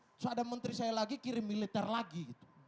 terus ada menteri saya lagi kirim militer lagi gitu